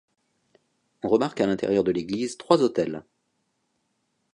On remarque à l'intérieur de l'église trois autels.